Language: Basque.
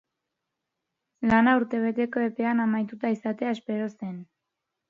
Lana urtebeteko epean amaituta izatea espero zen.